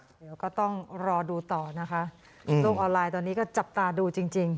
เดี๋ยวก็ต้องรอดูต่อนะคะโลกออนไลน์ตอนนี้ก็จับตาดูจริงจริง